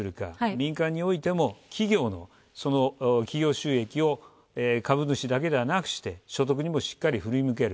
民間においても企業にその企業収益を株主だけではなくして、所得にもしっかり振りぬける。